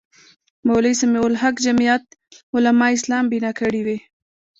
مولوي سمیع الحق جمیعت علمای اسلام بنا کړې وې.